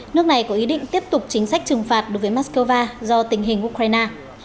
nước này có ý định tiếp tục chính sách trừng phạt đối với moscow do tình hình ukraine